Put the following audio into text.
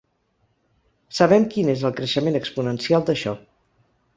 Sabem quin és el creixement exponencial d’això.